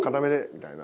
みたいな。